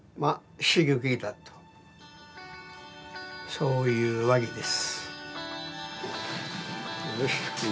そういうわけです。